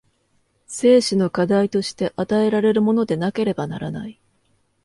生死の課題として与えられるものでなければならない。